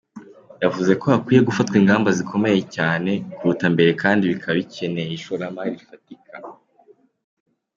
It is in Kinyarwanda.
Yavuze ko hakwiye gufatwa ingamba zikomeye cyane kuruta mbere kandi bikaba bikeneye ishoramari rifatika.